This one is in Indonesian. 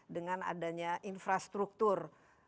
dengan adanya infrastruktur